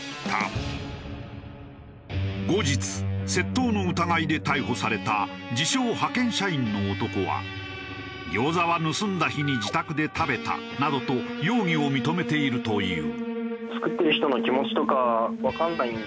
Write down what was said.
後日窃盗の疑いで逮捕された自称派遣社員の男は「餃子は盗んだ日に自宅で食べた」などと容疑を認めているという。